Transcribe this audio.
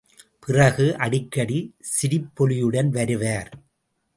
பிறகு அடிக்கடி சிரிப்பொலியுடன் வருவார்.